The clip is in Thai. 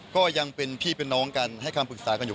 ก็ยังเป็นพี่เป็นน้องกันให้คำปรึกษากันอยู่